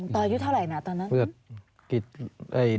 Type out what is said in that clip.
อายุเท่าไหร่นะตอนนั้น